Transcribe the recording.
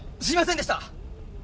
すいませんでした！